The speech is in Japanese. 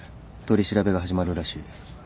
取り調べが始まるらしい。